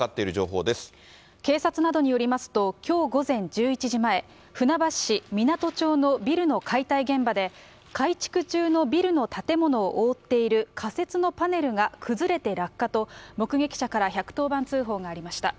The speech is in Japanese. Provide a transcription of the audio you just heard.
警察などによりますと、きょう午前１１時前、船橋市湊町のビルの解体現場で、改築中のビルの建物を覆っている仮設のパネルが崩れて落下と目撃者から１１０番通報がありました。